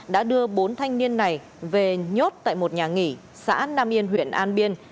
đã đưa bốn thanh niên này về nhốt tại một nhà nghỉ xã nam yên huyện an biên